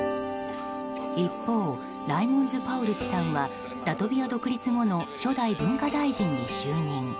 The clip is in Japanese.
一方ライモンズ・パウルスさんはラトビア独立後の初代文化大臣に就任。